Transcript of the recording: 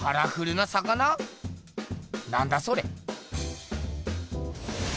なんだそれ。